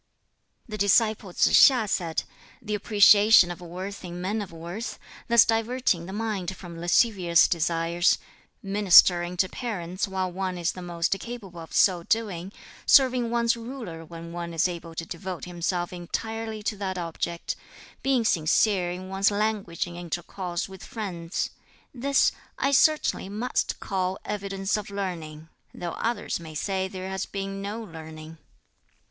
The disciple Tsz hiŠ said, "The appreciation of worth in men of worth, thus diverting the mind from lascivious desires ministering to parents while one is the most capable of so doing serving one's ruler when one is able to devote himself entirely to that object being sincere in one's language in intercourse with friends: this I certainly must call evidence of learning, though others may say there has been 'no learning.'"